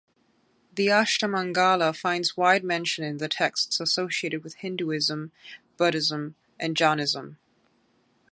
The ashtamangala finds wide mention in the texts associated with Hinduism, Buddhism, and Jainism.